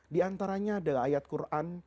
di antaranya adalah ayat quran